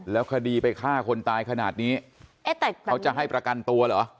แล้วคดีไปฆ่าคนตายขนาดนี้เขาจะให้ประกันตัวเหรอ